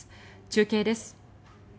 中継です。